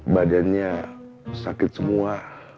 badannya sakit semua